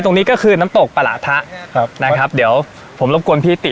ตรงนี้ก็คือน้ำตกปลาทะครับนะครับเดี๋ยวผมรบกวนพี่ติ